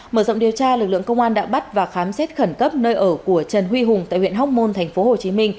mở rộng điều tra lực lượng công an đã bắt và khám xét khẩn cấp nơi ở của trần huy hùng tại huyện hóc môn tp hcm